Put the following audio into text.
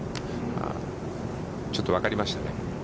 ちょっと分かりましたね。